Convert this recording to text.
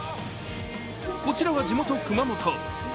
こちらは地元・熊本。